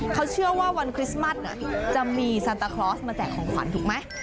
เขาเชื่อว่าวันคริสต์มัสจะมีซันตาคลอสมาแจกของขวัญถูกไหม